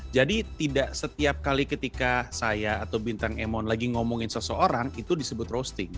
jadi tidak setiap kali ketika saya atau bintang emon lagi ngomongin seseorang itu disebut roasting